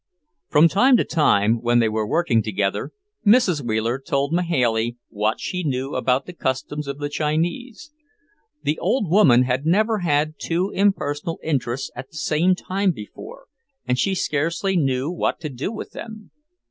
From time to time, when they were working together, Mrs. Wheeler told Mahailey what she knew about the customs of the Chinese. The old woman had never had two impersonal interests at the same time before, and she scarcely knew what to do with them.